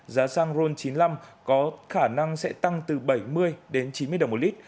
giá xăng ron chín mươi năm có khả năng sẽ tăng từ bảy mươi đến chín mươi đồng một lít